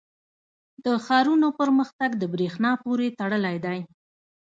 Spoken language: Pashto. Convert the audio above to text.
• د ښارونو پرمختګ د برېښنا پورې تړلی دی.